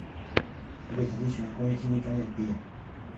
湖北财经学院工业经济专业毕业。